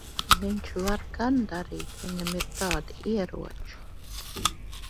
Viņš var gan darīt. Viņam ir tādi ieroči.